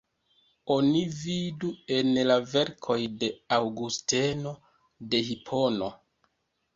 Oni vidu en la verkoj de Aŭgusteno de Hipono.